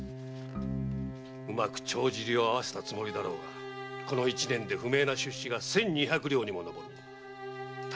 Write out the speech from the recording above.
うまく帳尻を合わせたつもりだろうがこの一年で不明な出資が千二百両にも上った。